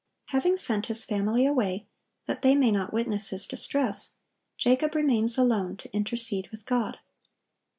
Having sent his family away, that they may not witness his distress, Jacob remains alone to intercede with God.